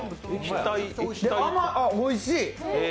あ、おいしい。